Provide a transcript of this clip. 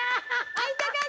会いたかった！